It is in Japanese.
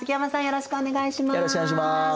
よろしくお願いします。